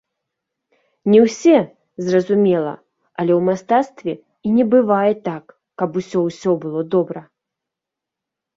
Не ўсе, зразумела, але ў мастацтве і не бывае так, каб усё-ўсё было добра.